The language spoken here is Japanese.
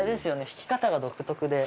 弾き方が独特で。